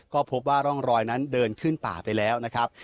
ก็พบว่าร่องรอยนั้นเดินขึ้นป่าไปแล้วนะครับ